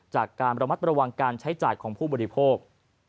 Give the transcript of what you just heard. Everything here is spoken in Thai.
จากการระมัดระวังการใช้จ่ายของผู้บริโภค